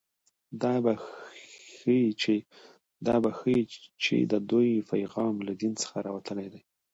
دا به ښيي چې د دوی پیغام له دین څخه راوتلی دی